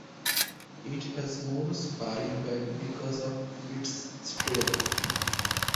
It has more spring back because of its strength.